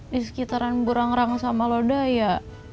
di sekitaran burang rang sama lodaya